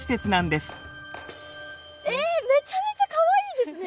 えめちゃめちゃかわいいですね。